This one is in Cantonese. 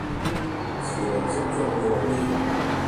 詞量適中會好啲